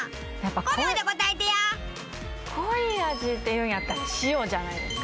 濃い味っていうんやったら塩じゃないですか？